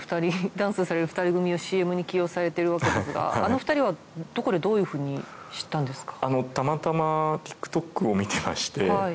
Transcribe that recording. ダンスをされる２人組をＣＭに起用されてるわけですがあの２人はどこでどういうふうに知ったんですか？